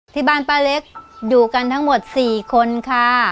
ที่บ้านป้าเล็กอยู่กันทั้งหมด๔คนค่ะ